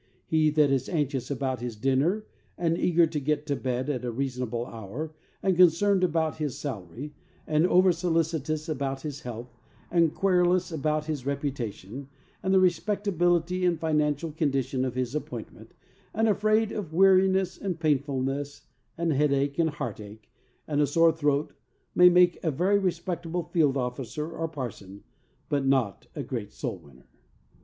He that is anxious about his dinner and eager to get to bed at a reasonable hour and concerned about his salary, and oversolicitous about his health, and querulous about his reputation, and the respectability and financial condition of his appointment, and afraid of weariness and painfulness and headache and heartache, and a sore throat, may make a very respect able field of^cer or parson, but not a great soul winner.